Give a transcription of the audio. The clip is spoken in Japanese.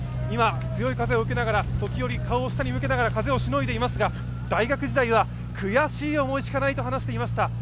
今、強い風を受けながら、時折顔を下に向けながら風をしのいでいますが、大学時代は悔しい思いしかないと話していました。